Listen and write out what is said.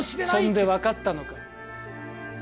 そんで分かったのか？